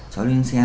cháu lên xe